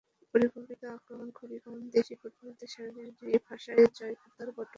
পরিকল্পিত আক্রমণ খুবই কম, দেশি ফুটবলারদের শরীরী ভাষায় জয়ক্ষুধার বড্ড অভাব।